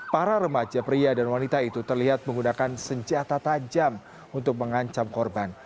para remaja pria dan wanita itu terlihat menggunakan senjata tajam untuk mengancam korban